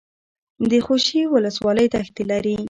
د خوشي ولسوالۍ دښتې لري